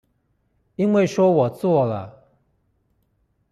因為說我做了